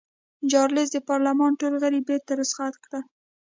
چارلېز د پارلمان ټول غړي بېرته رخصت کړل.